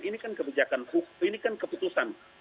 ini kan kebijakan hukum ini kan keputusan